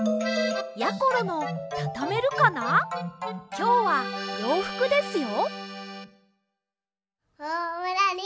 きょうはようふくですよ。